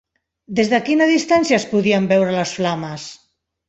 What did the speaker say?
Des de quina distància es podien veure les flames?